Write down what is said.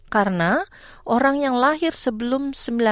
karena orang yang lahir sebelum seribu sembilan ratus enam puluh enam